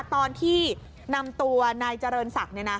ตอนที่นำตัวนายเจริญศักดิ์